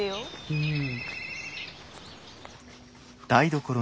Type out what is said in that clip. うん。